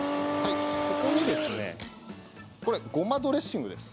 ここにですねごまドレッシングです。